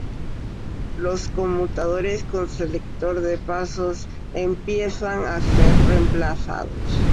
Los conmutadores con selector de pasos empiezan a ser reemplazados.